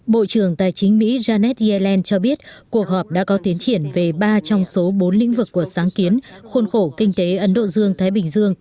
bộ trưởng tài chính mỹ janet yellen cho biết cuộc họp đã có tiến triển về ba trong số bốn lĩnh vực của sáng kiến khuôn khổ kinh tế ấn độ dương thái bình dương